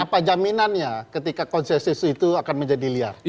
apa jaminannya ketika konsensus itu akan menjadi liar